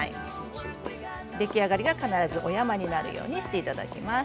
出来上がりが必ず小山になるようにしていただきます。